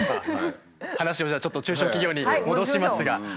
話をじゃあちょっと中小企業に戻しますが。